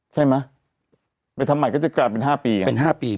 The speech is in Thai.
ใช่ไหมไปทำใหม่ก็จะกลายเป็น๕ปี